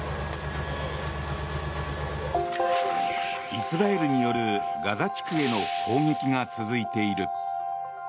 イスラエルによるガザ地区への攻撃が続いている。